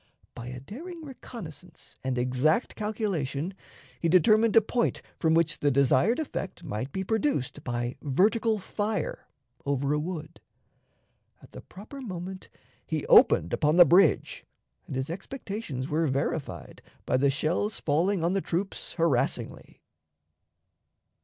By a daring reconnaissance and exact calculation, he determined a point from which the desired effect might be produced by vertical fire, over a wood. At the proper moment he opened upon the bridge, and his expectations were verified by the shells falling on the troops harassingly.